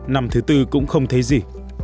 năm thứ tư cũng không thấy gì